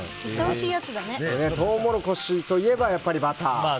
トウモロコシといえばやっぱりバター。